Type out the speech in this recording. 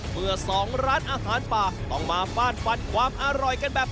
เมื่อสองร้านอาหารป่าต้องมาฟาดฟันความอร่อยกันแบบ